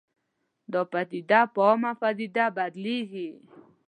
دا پدیدې په عامه پدیده بدلېږي